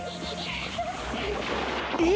えっ！